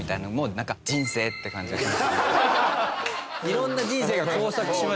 色んな人生が交錯しましたよね。